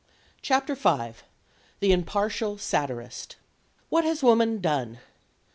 V THE IMPARTIAL SATIRIST What has woman done?